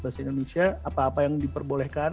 bahasa indonesia apa apa yang diperbolehkan